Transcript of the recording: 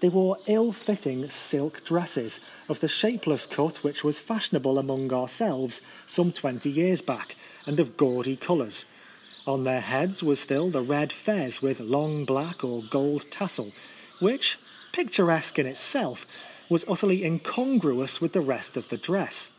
They wore ill fitting silk 502 A Ride across the Peloponnese. [May dresses, of the shapeless cut which was fashionable among ourselves some twenty years hack, and of gaudy colours. On their heads was still the red fez with long black or gold tassel, which, picturesque in itself, was utterly incongruous with the rest of the dress.